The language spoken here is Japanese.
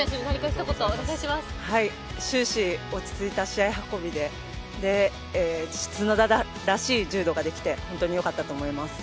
終始落ち着いた試合運びで角田らしい柔道ができて、本当によかったと思います。